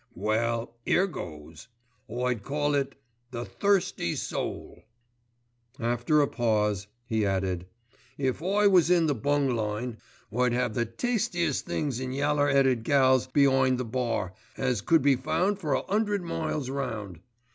"Well, 'ere goes. I'd call it 'The Thirsty Soul.'" After a pause, he added, "If I was in the bung line I'd 'ave the tastiest things in yaller 'eaded gals be'ind the bar as could be found for a 'undred miles round.